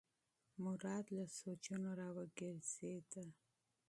مراد له سوچونو راوګرځېد.